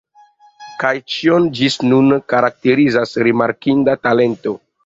Kaj ĉion, ĝis nun, karakterizas rimarkinda talento.